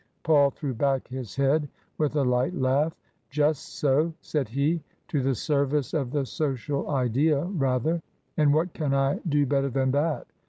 Paul threw back his head with a light laugh. *^ Just so," said he ;" to the service of the Social Idea rather. And what can I do better than that